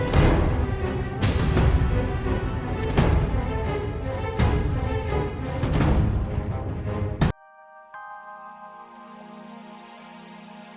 sebelumbapak nampak badan anelin nampak